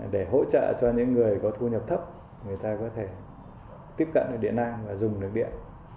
để hỗ trợ cho những người có thu nhập thấp người ta có thể tiếp cận được điện năng và dùng được điện